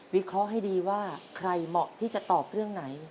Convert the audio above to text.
เคราะห์ให้ดีว่าใครเหมาะที่จะตอบเรื่องไหน